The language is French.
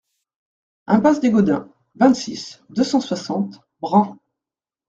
Impasse des Godins, vingt-six, deux cent soixante Bren